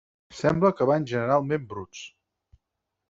Sembla que van generalment bruts.